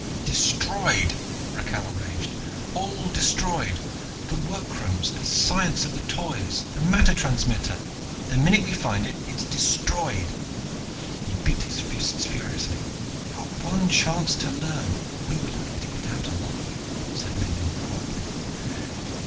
"Destroyed!" Rakhal raged. "All destroyed! The workrooms, the science of the Toys, the matter transmitter the minute we find it, it's destroyed!" He beat his fists furiously. "Our one chance to learn " "We were lucky to get out alive," said Miellyn quietly.